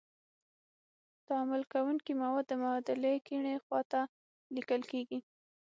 تعامل کوونکي مواد د معادلې کیڼې خواته لیکل کیږي.